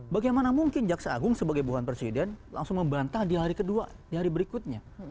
bagaimana mungkin jaksa agung sebagai buahan presiden langsung membantah di hari kedua di hari berikutnya